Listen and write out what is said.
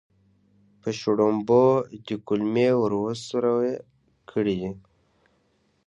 په شړومبو دې کولمې ور سورۍ کړې دي.